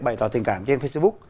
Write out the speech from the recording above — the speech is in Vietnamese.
bày tỏ tình cảm trên facebook